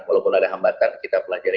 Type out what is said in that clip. walaupun ada hambatan kita pelajari